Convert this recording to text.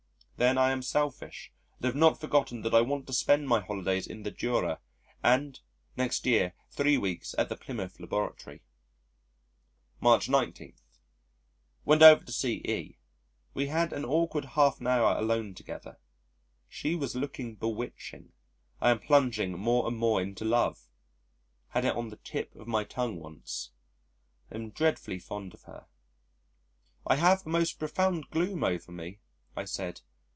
Then I am selfish, and have not forgotten that I want to spend my holidays in the Jura, and next year three weeks at the Plymouth Laboratory. March 19. Went over to see E . We had an awkward half an hour alone together. She was looking bewitching! I am plunging more and more into love. Had it on the tip of my tongue once. I am dreadfully fond of her. "I have a most profound gloom over me," I said.